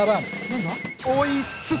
何だ？